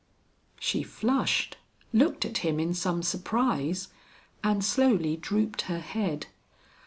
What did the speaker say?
She flushed, looked at him in some surprise and slowly drooped her head.